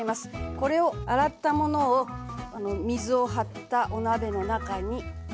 これを洗ったものを水を張ったお鍋の中に入れてポン。